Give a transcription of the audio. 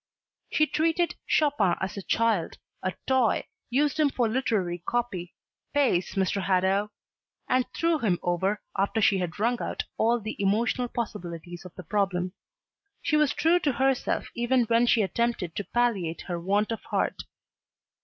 She treated Chopin as a child, a toy, used him for literary copy pace Mr. Hadow! and threw him over after she had wrung out all the emotional possibilities of the problem. She was true to herself even when she attempted to palliate her want of heart.